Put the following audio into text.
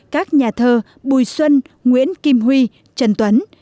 các nhà thơ bùi xuân nguyễn kim huy trần tuấn